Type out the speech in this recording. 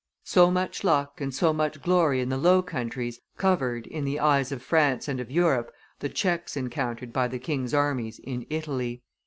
So much luck and so much glory in the Low Countries covered, in the eyes of France and of Europe, the checks encountered by the king's armies in Italy.